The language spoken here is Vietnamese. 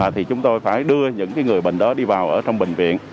thì chúng tôi phải đưa những người bệnh đó đi vào ở trong bệnh viện